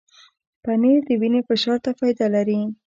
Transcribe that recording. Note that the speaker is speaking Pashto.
پنېر د وینې فشار ته فایده لري.